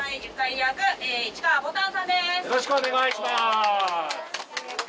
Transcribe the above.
よろしくお願いします！